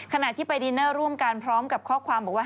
ขณะที่ไปดินเนอร์ร่วมกันพร้อมกับข้อความบอกว่า